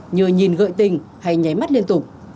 nhờ nhìn gợi tình hay nháy mắt liên tục